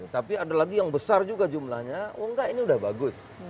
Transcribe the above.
tapi ada lagi yang besar juga jumlahnya oh enggak ini udah bagus